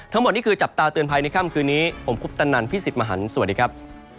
ทั้งหมดนี่คือจับตาเตือนภัยในค่ำคืนนี้ผมคุปตนันพี่สิทธิ์มหันฯสวัสดีครับ